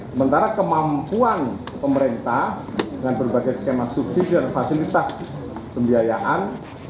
sementara kemampuan pemerintah dengan berbagai skema subsidi dan fasilitas pembiayaan